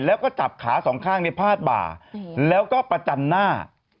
แล้วก็จับขาสองข้างในพาดบ่าแล้วก็ประจันหน้า